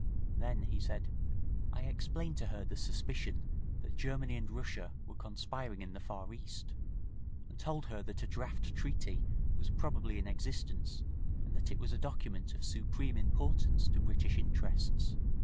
Then he said, 'I explained to her the suspicion that Germany and Russia were conspiring in the Far East, and told her that a draft treaty was probably in existence, and that it was a document of supreme importance to British interests.